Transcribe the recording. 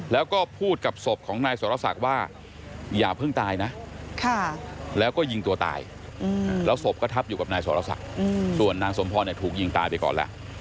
แล้วก็พูดกับศพของนายสรศักดิ์ว่าอย่าเพิ่งตายนะแล้วก็ยิงตัวตายแล้วศพก็ทับอยู่กับนายสรศักดิ์ส่วนนางสมพรถูกยิงตายไปก่อนล่ะ